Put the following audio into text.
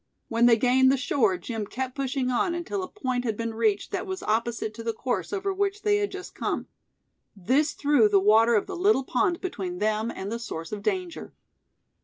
When they gained the shore Jim kept pushing on until a point had been reached that was opposite to the course over which they had just come. This threw the water of the little pond between them and the source of danger.